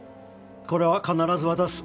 これは必ず渡す。